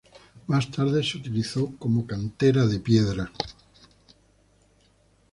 Más tarde se utilizó como cantera de piedra.